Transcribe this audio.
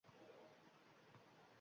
— Shu namozini uyida o‘qisa bo‘lmaydimi?